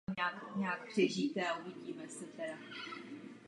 Spojuje lokality Hradiště a Václavské předměstí na jihozápadě města.